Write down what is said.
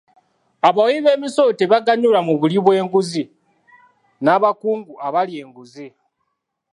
Abawi b'emisolo tebaganyula mu buli bw'enguzi n'abakungu abalya enguzi.